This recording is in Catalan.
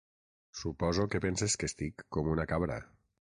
Suposo que penses que estic com una cabra.